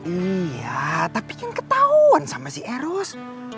iya tapi kan ketauan sama si eros